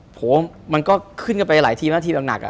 โอ้โหมันก็ขึ้นกันไปหลายทีมทีมนักหนัก